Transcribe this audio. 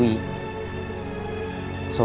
sobri sama dede akan kawin lari